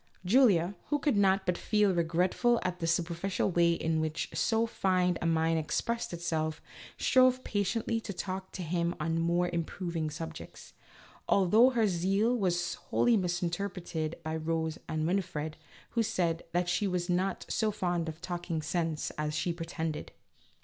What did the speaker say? Julia, who could not but feel regretful at the su perficial way in which so fine a mind expressed itself, strove patiently to talk to him on more improving subjects, although her zeal was wholly misinterpreted by Rose and Winifred, who said that she was not so fond of talking sense as she pretended.